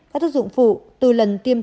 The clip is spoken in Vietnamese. các tác dụng phụ từ lần tiêm